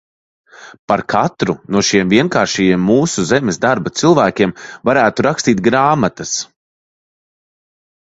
Par katru no šiem vienkāršajiem mūsu zemes darba cilvēkiem varētu rakstīt grāmatas.